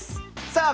さあ